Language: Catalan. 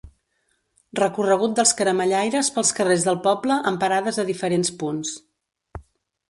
Recorregut dels caramellaires pels carrers del poble amb parades a diferents punts.